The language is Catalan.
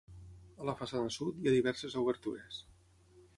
A la façana sud, hi ha diverses obertures.